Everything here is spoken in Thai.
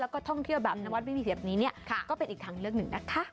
แล้วก็ท่องเที่ยวแบบนวัดไม่มีแบบนี้เนี่ยก็เป็นอีกทางเลือกหนึ่งนะคะ